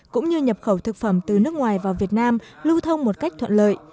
cũng như nhập khẩu thực phẩm từ nước ngoài vào việt nam lưu thông một cách thuận lợi